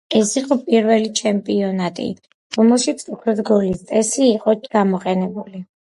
ეს იყო პირველი ჩემპიონატი, რომელშიც ოქროს გოლის წესი იყო გამოყენებული.